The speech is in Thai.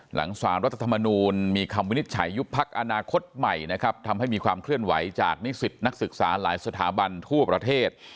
หลังสารรัฐธรรมนูลมีคำวินิจฉัยยุบพักอนาคตใหม่นะครับทำให้มีความเคลื่อนไหวจากนิสิตนักศึกษาหลายสถาบันทั่วประเทศ